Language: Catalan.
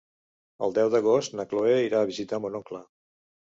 El deu d'agost na Chloé irà a visitar mon oncle.